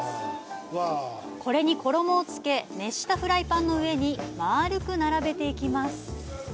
これに衣をつけ熱したフライパンの上に丸く並べていきます。